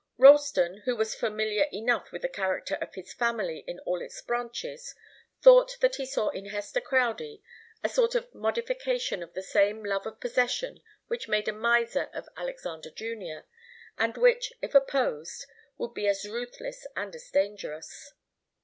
Ralston, who was familiar enough with the character of his family in all its branches, thought that he saw in Hester Crowdie a sort of modification of the same love of possession which made a miser of Alexander Junior, and which, if opposed, would be as ruthless and as dangerous.